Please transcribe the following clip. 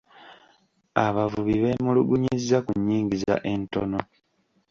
Abavubi beemulugunyizza ku nnyingiza entono.